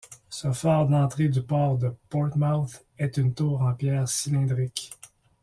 Ce phare d'entrée du port de Portmouth est une tour en pierre cylindrique.